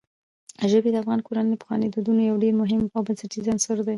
ژبې د افغان کورنیو د پخوانیو دودونو یو ډېر مهم او بنسټیز عنصر دی.